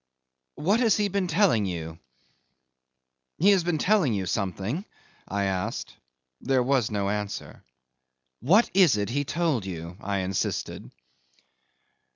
"What has he been telling you? He has been telling you something?" I asked. There was no answer. "What is it he told you?" I insisted.